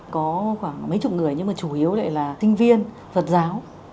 có khoảng mấy chục người nhưng mà chủ yếu lại là sinh viên phật giáo